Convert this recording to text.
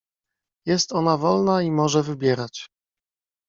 "Jest ona wolna i może wybierać."